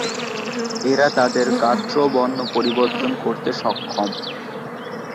এরা তাদের গাত্রবর্ণ পরিবর্তন করতে সক্ষম।